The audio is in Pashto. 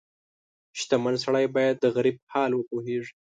• شتمن سړی باید د غریب حال وپوهيږي.